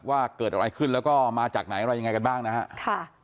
ว่าเกิดอะไรขึ้นแล้วก็มาจากไหนอะไรยังไงกันบ้างนะฮะ